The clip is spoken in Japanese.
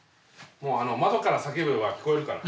もう窓から叫べば聞こえるから。